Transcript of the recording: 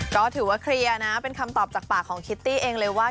ก็ถือว่าเคลียร์นะเป็นคำตอบจากปากของคิตตี้เองเลยว่า